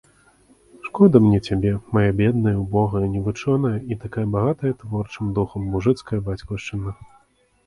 Шкода мне цябе, мая бедная, убогая, невучоная і такая багатая творчым духам мужыцкая бацькаўшчына.